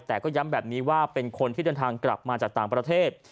แต่ก็ย้ำแบบนี้ว่าเป็นคนที่เดินทางกลับมาจากต่างประเทศ